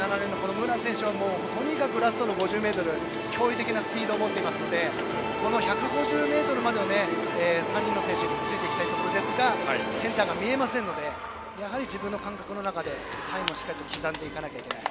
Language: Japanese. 武良選手はラストの５０ｍ驚異的なスピード持っているのでこの１５０ｍまでは３人の選手についていきたいところですがセンターが見えませんので自分の感覚の中でタイムをしっかり刻んでいかないといけない。